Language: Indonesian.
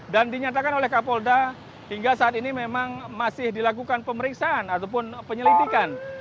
dan dinyatakan oleh kapolda hingga saat ini memang masih dilakukan pemeriksaan ataupun penyelidikan